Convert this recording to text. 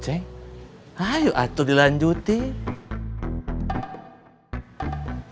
ceng ayo atur dilanjutin